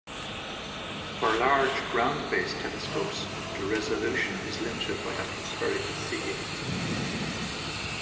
For large ground-based telescopes, the resolution is limited by atmospheric seeing.